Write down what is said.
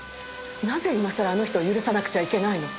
なぜ今さらあの人を許さなくちゃいけないの？